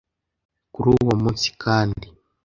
Kuri uwo munsi kandi